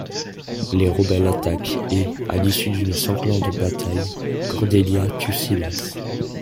Les rebelles attaquent et, à l'issue d'une sanglante bataille, Cordelia tue Silas.